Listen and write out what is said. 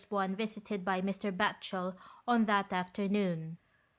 one visited by Mr. Batchel on that afternoon.